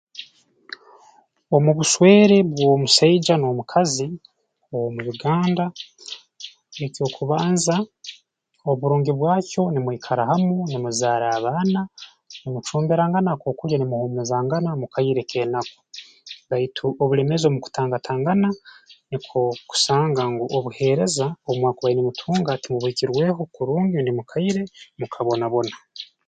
Omu buswere bw'omusaija n'omukazi omu Uganda eky'okubanza oburungi bwakyo numwikara hamu numuzaara abaana numucumbirangano akookulya numuhuumuzangana mu kaire k'enaku baitu obulemeezi obu mukutangatangana nukwo kusanga ngu obuheereza obu mwakubaire nimutunga timubuhikirweko kurungi rundi mu kaire mukabonabona